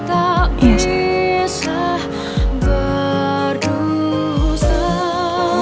hati tak bisa berusaha